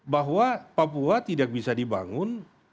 bahwa papua tidak bisa dibangun